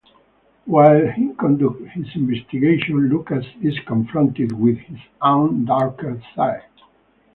While he conducts his investigation Lucas is confronted with his own darker side.